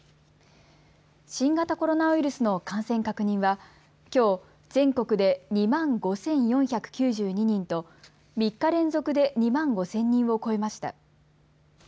新型コロナウイルスの感染確認はきょう全国で２万５４９２人と３日連続で２万５０００人を超えました。